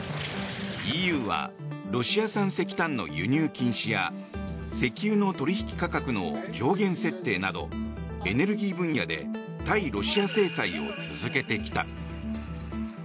ＥＵはロシア産石炭の輸入禁止や石油の取引価格の上限設定などエネルギー分野で対ロシア制裁を続けてきた。